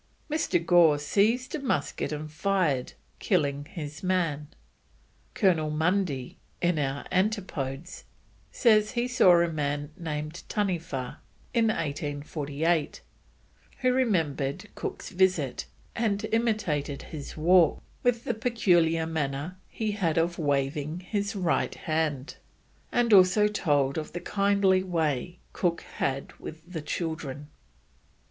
Mr. Gore seized a musket and fired, killing his man. Colonel Mundy, in Our Antipodes, says he saw a man named Taniwha, in 1848, who remembered Cook's visit, and imitated his walk, with the peculiar manner he had of waving his right hand, and also told of the kindly way Cook had with the children.